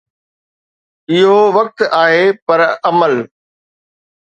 اهو وقت آهي پر عمل.